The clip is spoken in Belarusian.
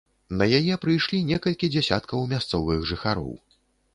На яе прыйшлі некалькі дзясяткаў мясцовых жыхароў.